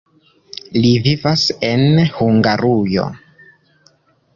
Li vivas en Hungarujo.